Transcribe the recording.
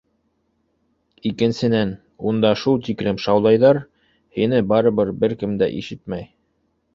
Икенсенән, унда шул тиклем шаулайҙар, һине барыбер бер кем дә ишетмәй.